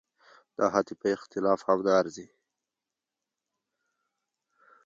دا حتی پر اختلاف هم نه ارزي.